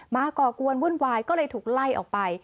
ก่อกวนวุ่นวายก็เลยถูกไล่ออกไป